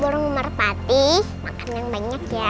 burung merpati makan yang banyak ya